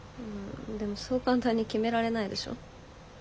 うんでもそう簡単に決められないでしょ。